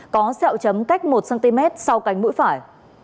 có xeo chấm cách một cm sau cánh mũi phải